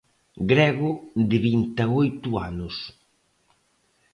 Grego de vinte e oito anos.